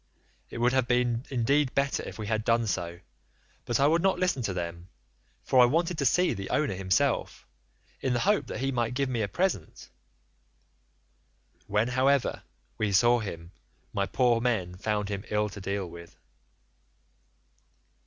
It would have been indeed better if we had done so but I would not listen to them, for I wanted to see the owner himself, in the hope that he might give me a present. When, however, we saw him my poor men found him ill to deal with.